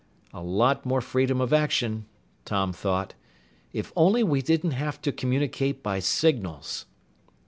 "A lot more freedom of action," Tom thought. "If only we didn't have to communicate by signals!"